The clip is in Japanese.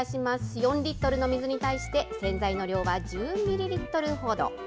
４リットルの水に対して、洗剤の量は１０ミリリットルほど。